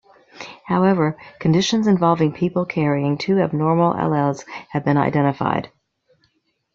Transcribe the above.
However, conditions involving people carrying two abnormal alleles have been identified.